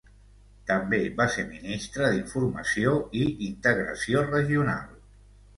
També va ser Ministre d'Informació i Integració Regional.